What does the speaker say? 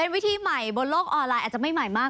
เป็นวิธีใหม่โบไลน์อาจจะไม่ใหม่มาก